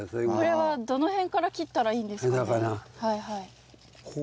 これはどの辺から切ったらいいんですかね。